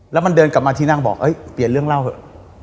แล้วมันเดินกลับมาที่นั่งบอกเปลี่ยนเรื่องเล่าเถอะ